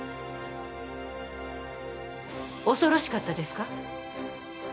恐ろしかったですか？